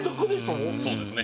そうですね